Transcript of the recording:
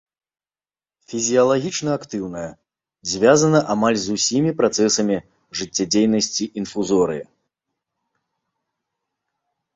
Фізіялагічна актыўнае, звязана амаль з усімі працэсамі жыццядзейнасці інфузорыі.